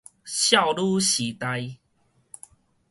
少女時代